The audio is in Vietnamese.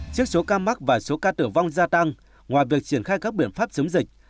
trước số ca mắc và số ca tử vong gia tăng ngoài việc triển khai các biện pháp chống dịch